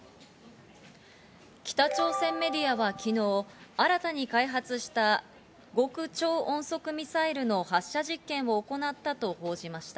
北朝鮮メディアは昨日、新たに開発した極超音速ミサイルの発射実験を行ったと報じました。